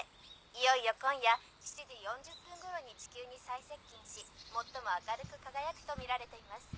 いよいよ今夜７時４０分頃に地球に最接近し最も明るく輝くとみられています。